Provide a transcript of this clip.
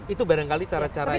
itu barangkali cara cara yang